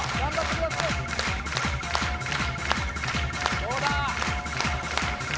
どうだ？